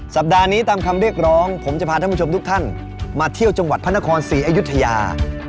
สัปดาห์นี้ตามคำเรียกร้องผมจะพาท่านผู้ชมทุกท่านมาเที่ยวจังหวัดพระนครศรีอยุธยา